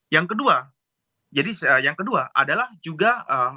yang kedua jadi yang kedua adalah juga